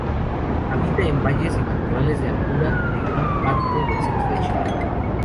Habita en valles y matorrales de altura de gran parte del centro de Chile.